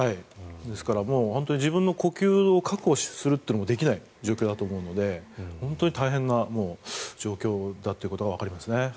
ですから自分の呼吸を確保するのもできない状況だと思うので本当に大変な状況だっていうことがわかりますね。